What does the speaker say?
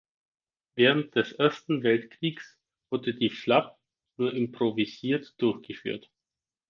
Während des Ersten Weltkriegs wurde die Flab nur improvisiert durchgeführt.